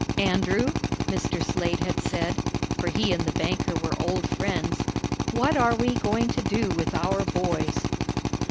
"Andrew," Mr. Slade had said (for he and the banker were old friends), "what are we going to do with our boys?"